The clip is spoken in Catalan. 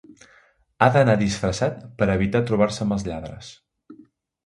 Ha d'anar disfressat per evitar trobar-se amb els lladres.